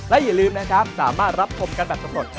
และอย่าลืมนะครับสามารถรับชมกันแบบสำรวจ